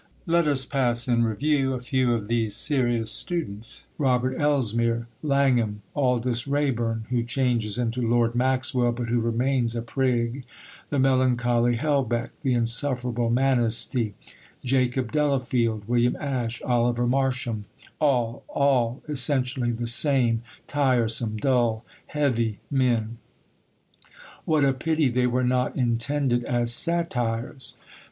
Let us pass in review a few of these serious students Robert Elsmere, Langham, Aldous Reyburn (who changes into Lord Maxwell, but who remains a prig), the melancholy Helbeck, the insufferable Manisty, Jacob Delafield, William Ashe, Oliver Marsham all, all essentially the same, tiresome, dull, heavy men what a pity they were not intended as satires!